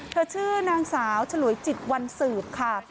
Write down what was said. ชื่อนางสาวฉลวยจิตวันสืบค่ะ